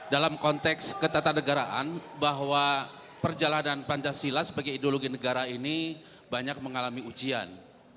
dalam konteks ketatanegaraan bahwa perjalanan pancasila sebagai ideologi negara ini banyak mengalami ujian